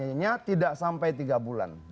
kampanye nya tidak sampai tiga bulan